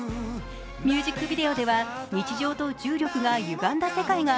ミュージックビデオでは日常と重力がゆがんだ世界が